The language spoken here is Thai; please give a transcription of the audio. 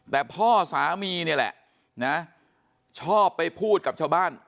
แต่พ่อสามีนี่แหละนะชอบไปพูดกับชาวบ้าน